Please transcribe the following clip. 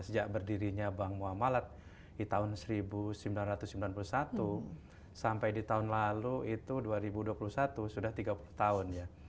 sejak berdirinya bank muamalat di tahun seribu sembilan ratus sembilan puluh satu sampai di tahun lalu itu dua ribu dua puluh satu sudah tiga puluh tahun ya